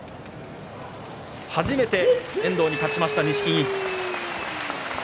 初めて遠藤に勝ちました錦木。